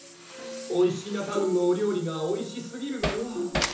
おいしーなタウンのお料理がおいしすぎるのよ